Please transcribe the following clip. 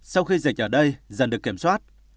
sau khi dịch ở đây dần được kiểm soát